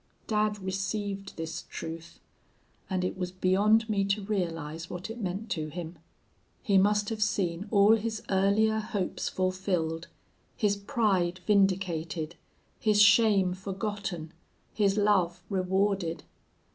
"Dad received this truth and it was beyond me to realize what it meant to him. He must have seen all his earlier hopes fulfilled, his pride vindicated, his shame forgotten, his love rewarded.